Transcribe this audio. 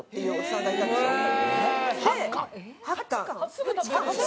すぐ食べられる。